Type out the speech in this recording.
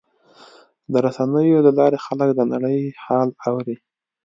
د رسنیو له لارې خلک د نړۍ حال اوري.